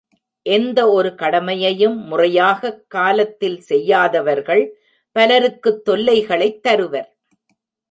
எந்த ஒரு கடமையையும் முறையாகக் காலத்தில் செய்யாதவர்கள் பலருக்குத் தொல்லைகளைத் தருவர்.